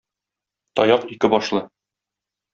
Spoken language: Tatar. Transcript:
Таяк ике башлы.